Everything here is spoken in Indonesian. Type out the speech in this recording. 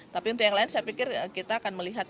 tapi untuk yang lain saya pikir kita akan melihat